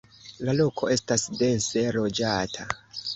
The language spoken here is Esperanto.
La loko estas dense loĝata.